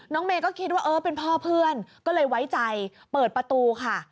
เมย์ก็คิดว่าเออเป็นพ่อเพื่อนก็เลยไว้ใจเปิดประตูค่ะ